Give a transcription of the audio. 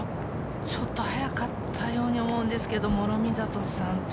ちょっと早かったように思うんですけれど。